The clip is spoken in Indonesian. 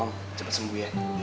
om cepat sembuh ya